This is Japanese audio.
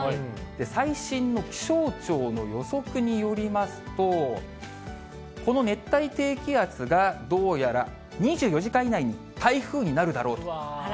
最新の気象庁の予測によりますと、この熱帯低気圧がどうやら２４時間以内に台風になるだろうと。